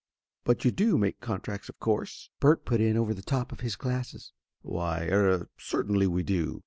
"But you do make contracts of course?" Bert put in over the top of his glasses. "Why er certainly we do!"